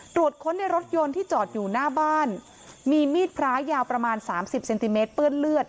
ค้นในรถยนต์ที่จอดอยู่หน้าบ้านมีมีดพระยาวประมาณสามสิบเซนติเมตรเปื้อนเลือด